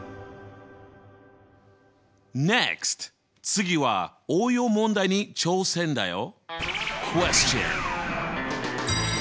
次は応用問題に挑戦だよ。